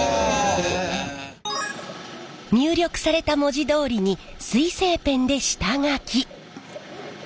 入力された文字どおりに水性ペンで下書き。